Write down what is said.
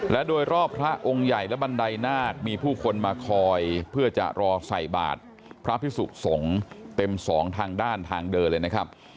และโดยรอบพระองค์ใหญ่และบันไดนาคมีผู้คนมาคอยเพื่อจะรอใส่บาทพระพิสุสงฆ์เต็มสองทางด้านทางเดินเลยนะครับ